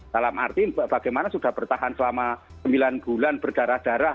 dalam arti bagaimana sudah bertahan selama sembilan bulan berdarah darah